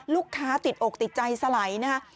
ลูกค้าติดอกติดใจสไหล่นะครับ